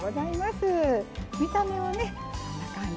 見た目は、こんな感じ。